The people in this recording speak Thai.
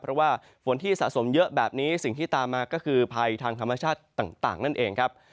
เพราะว่าฝนที่สะสมเยอะแบบนี้สิ่งที่ตามมาก็คือภัยทางธรรมชาติต่างนั่นเองครับ